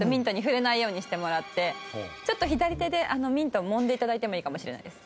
ちょっと左手でミントをもんで頂いてもいいかもしれないです。